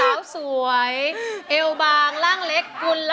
อายุ๒๔ปีวันนี้บุ๋มนะคะ